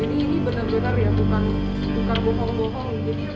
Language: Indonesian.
ini benar benar ya bukan bohong bohong